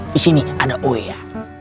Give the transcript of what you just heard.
di sini ada oe ya